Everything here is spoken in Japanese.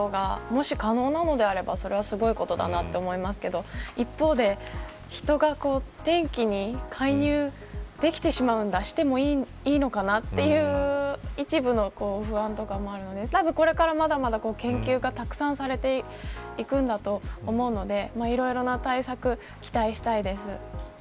被害を抑えることがもし可能であればそれはすごいことだなと思いますけど一方で、人が天気に介入できてしまうんだしてもいいのかなという一部の不安とかもあるのでたぶん、これからまだまだ研究がたくさんされていくんだと思うのでいろいろな対策期待したいです。